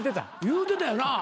言うてたよな？